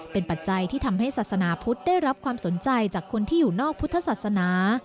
เป็นปัจจัยที่ทำให้ศาสนาพุทธได้รับความสนใจจากคนที่อยู่นอกพุทธศาสนา